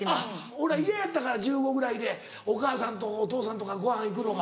俺嫌やったから１５ぐらいでお母さんとお父さんとかご飯行くのが。